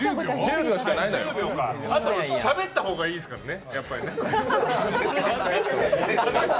しゃべった方がいいですからね。